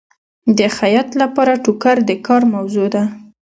د خیاط لپاره ټوکر د کار موضوع ده.